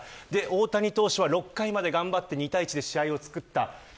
大谷選手は６回まで頑張って２対１で試合をつくった。